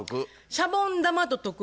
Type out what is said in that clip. シャボン玉ととく。